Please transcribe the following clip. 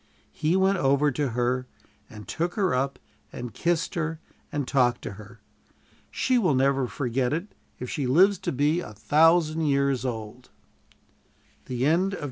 He went over to her, and took her up and kissed her and talked to her. She will never forget it if she lives to be a thousand years old. CHAPTER XIII.